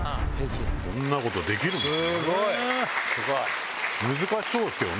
こんなことできるんですね。